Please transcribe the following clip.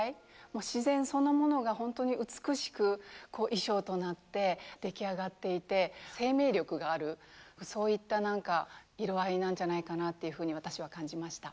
自然そのものがほんとに美しくこう衣装となって出来上がっていて生命力があるそういったなんか色合いなんじゃないかなっていうふうに私は感じました。